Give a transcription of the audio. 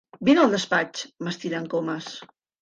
Vine al despatx —m'estira el Comas.